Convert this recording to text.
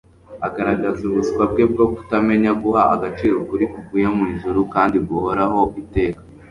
Agaragaza ubuswa bwe bwo kutamenya guha agaciro ukuri kuvuye mu ijuru kandi guhoraho iteka.